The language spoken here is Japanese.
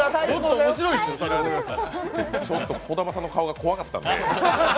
ちょっと児玉さんの顔が怖かったんで。